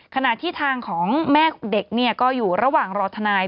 ขณะที่ทางของแม่เด็กก็อยู่ระหว่างรอทนาย